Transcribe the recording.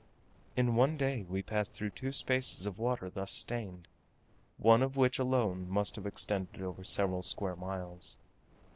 In one day we passed through two spaces of water thus stained, one of which alone must have extended over several square miles.